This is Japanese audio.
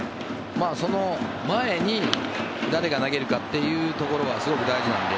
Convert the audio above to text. その前に誰が投げるかというところがすごく大事なので。